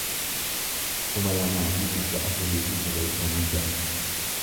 kuma lamaa fi dhibba afurii fi sagaltamii ja'a